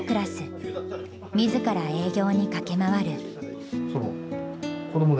自ら営業に駆け回る。